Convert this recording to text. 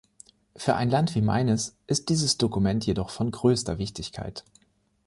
Für ein Land wie meines ist dieses Dokument jedoch von größter Wichtigkeit.